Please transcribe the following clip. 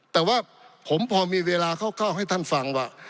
แต่ว่าผมพอมีเวลาคร่าวให้ท่านฟังว่า